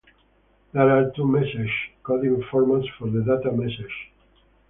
There are two message coding formats for the data messages.